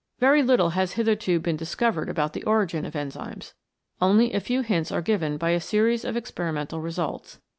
Very little has hitherto been dis covered about the origin of enzymes. Only a few hints are given by a series of experimental results.